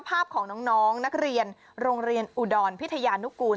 ภาพของน้องนักเรียนโรงเรียนอุดรพิทยานุกูล